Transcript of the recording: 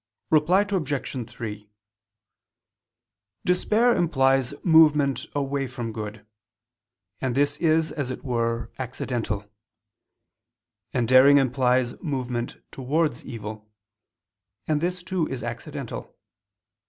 Reply Obj. 3: Despair implies movement away from good; and this is, as it were, accidental: and daring implies movement towards evil; and this too is accidental.